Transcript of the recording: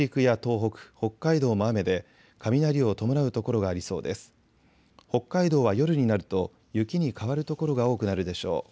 北海道は夜になると雪に変わる所が多くなるでしょう。